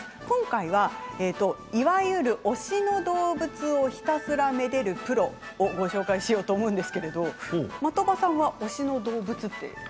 今回は、いわゆる推しの動物をひたすらめでるプロをご紹介しようと思うんですけど的場さんは推しの動物って。